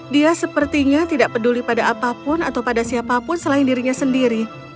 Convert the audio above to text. dia sepertinya tidak peduli pada apapun atau pada siapapun selain dirinya sendiri